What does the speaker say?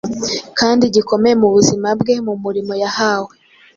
kandi gikomeye mu buzima bwe mu murimo yahawe.